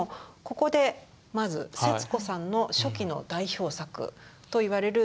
ここでまず節子さんの初期の代表作といわれる「自画像」。